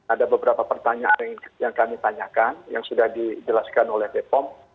ada beberapa pertanyaan yang kami tanyakan yang sudah dijelaskan oleh bepom